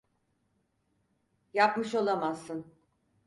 Yapmış olamazsın.